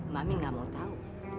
mami gak mau tau